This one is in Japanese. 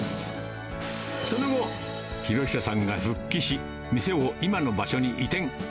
その後、浩久さんが復帰し、店を今の場所に移転。